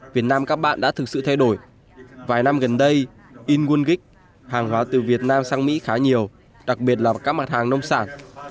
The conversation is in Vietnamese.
việt nam các bạn đã thực sự thay đổi vài năm gần đây in wongic hàng hóa từ việt nam sang mỹ khá nhiều đặc biệt là vào các mặt hàng nông sản